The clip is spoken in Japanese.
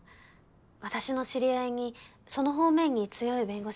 私の知り合いにその方面に強い弁護士。